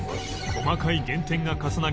細かい減点が重なり